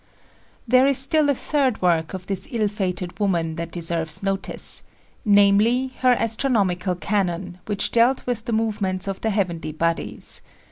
There is still a third work of this ill fated woman that deserves notice namely, her Astronomical Canon, which dealt with the movements of the heavenly bodies.